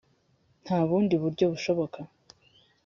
nta bundi buryo bushoboka